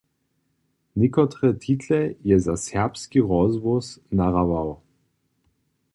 Někotre title je za Serbski rozhłós nahrawał.